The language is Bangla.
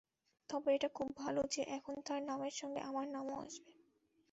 তবে এটা খুব ভালো যে, এখন তাঁর নামের সঙ্গে আমার নামও আসবে।